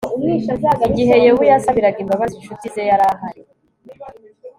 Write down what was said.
igihe yobu yasabiraga imbabazi incuti ze yarahari